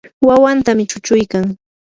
wawantami chuchuykan.